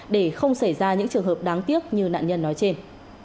để không xảy ra những trường hợp đáng tiếc như nạn nhân nói trên